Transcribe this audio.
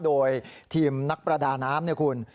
โดยทีมนักประดาน้ำเนี่ยคุณ